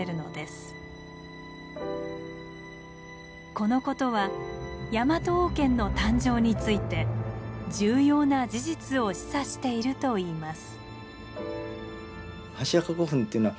このことはヤマト王権の誕生について重要な事実を示唆しているといいます。